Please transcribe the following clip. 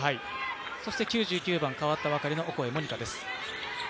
そして９９番変わったばかりのオコエ桃仁花です。